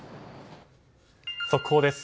速報です。